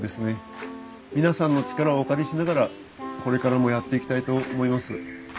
皆さんの力をお借りしながらこれからもやっていきたいと思います。